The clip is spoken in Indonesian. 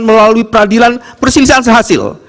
melalui peradilan perselisihan sehasil